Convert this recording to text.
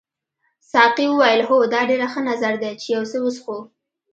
ساقي وویل هو دا ډېر ښه نظر دی چې یو څه وڅښو.